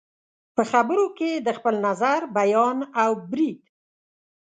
په خبرو کې د خپل نظر بیان او برید